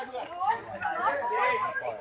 ดูเรื่อง